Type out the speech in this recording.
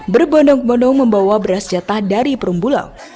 berbonong bonong membawa beras jatah dari perumbulok